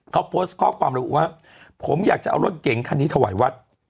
เขาโพสต์ข้อความระบุว่าผมอยากจะเอารถเก๋งคันนี้ถวายวัด